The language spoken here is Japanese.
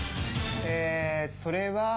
えそれは。